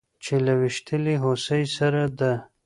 چې له ويشتلې هوسۍ سره د